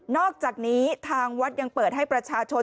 อกจากนี้ทางวัดยังเปิดให้ประชาชน